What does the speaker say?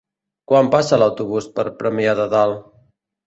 Quan passa l'autobús per Premià de Dalt?